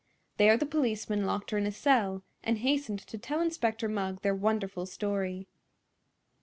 There the policeman locked her in a cell and hastened to tell Inspector Mugg their wonderful story.